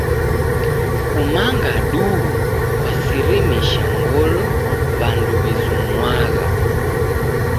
Kumanga duu kwasirimisha ngolo w'andu w'izumuagha.